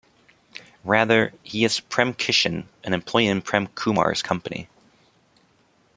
Rather, he is Prem Kishen, an employee in Prem Kumar's company.